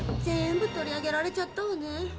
全部取り上げられちゃったわね。